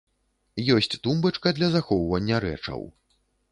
Ёсць тумбачка для захоўвання рэчаў.